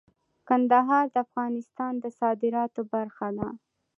کندهار د افغانستان د صادراتو برخه ده.